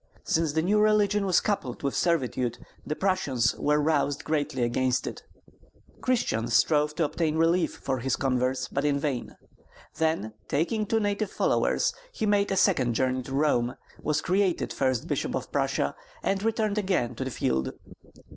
Since the new religion was coupled with servitude, the Prussians were roused greatly against it. Christian strove to obtain relief for his converts, but in vain. Then, taking two native followers, he made a second journey to Rome, was created first Bishop of Prussia, and returned again to the field.